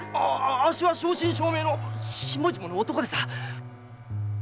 あっしは正真正銘の下々の男でさ！